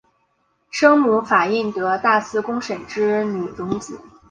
生母法印德大寺公审之女荣子。